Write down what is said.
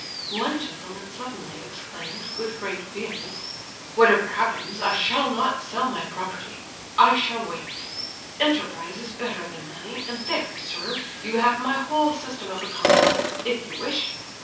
One gentleman suddenly exclaimed, with great vehemence: "Whatever happens, I shall not sell my property; I shall wait. Enterprise is better than money, and there, sir, you have my whole system of economy, if you wish!"